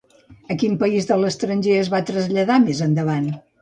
A quin país de l'estranger es va traslladar més endavant?